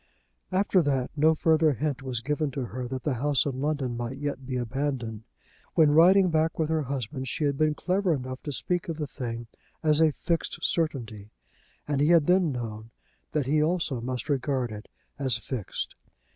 After that no further hint was given to her that the house in London might yet be abandoned. When riding back with her husband, she had been clever enough to speak of the thing as a fixed certainty; and he had then known that he also must regard it as fixed.